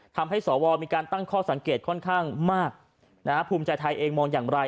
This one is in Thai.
สวมีการตั้งข้อสังเกตค่อนข้างมากนะฮะภูมิใจไทยเองมองอย่างไร